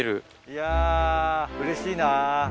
いやうれしいな。